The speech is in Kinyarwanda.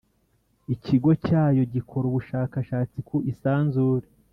Ikigo cyayo gikora ubushakashatsi ku isanzure